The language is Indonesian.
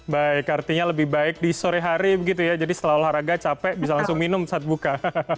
baik artinya lebih baik di sore hari begitu ya jadi setelah olahraga capek bisa langsung minum saat buka